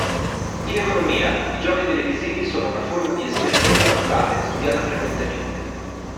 In economia, i giochi televisivi sono una forma di esperimento naturale studiata frequentemente.